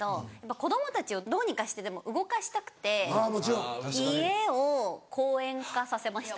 子供たちをどうにかしてでも動かしたくて家を公園化させました。